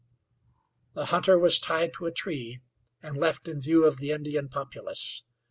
The hunter was tied to a tree and left in view of the Indian populace.